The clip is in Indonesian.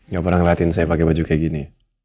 gak pernah ngeliatin saya pakai baju kayak gini